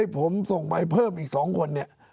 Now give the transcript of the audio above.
ผมส่งไปเพิ่มอีก๒คนเนี่ย